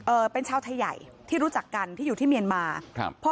เป็นชาวไทยใหญ่ที่รู้จักกันที่อยู่ที่เมียนมาครับ